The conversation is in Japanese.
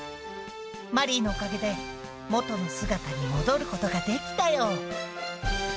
マリーのおかげで元の姿に戻ることができたよ。